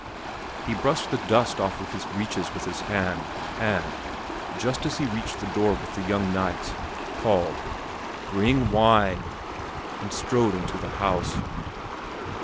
He brushed the dust off his breeches with his hand and, just as he reached the door with the young knights, called "Bring wine!" and strode into the house.